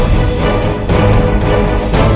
seorang prabu amukmarugum